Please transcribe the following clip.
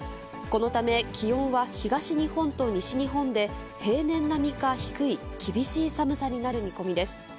このため、気温は東日本と西日本で平年並みか低い厳しい寒さになる見込みです。